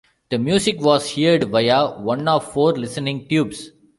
The music was heard via one of four listening tubes.